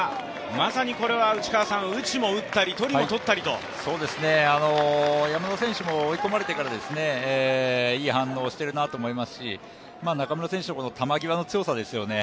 まさにこれは、打ちも打ったり、取りも取ったりと山田選手も追い込まれてからいい反応してるなと思いますし、中村選手の球際の強さですよね。